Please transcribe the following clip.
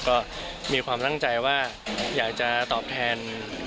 ก็มีความตั้งใจว่าอยากจะตอบแทน